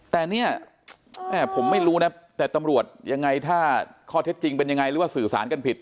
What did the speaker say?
แต่เนี่ยแม่ผมไม่รู้นะแต่ตำรวจยังไงถ้าข้อเท็จจริงเป็นยังไงหรือว่าสื่อสารกันผิด